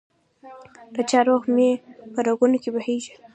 دچا روح مي په رګونو کي بهیږي